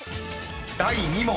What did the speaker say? ⁉［第２問］